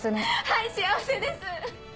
はい幸せです！